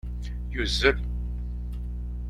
Yuzzel.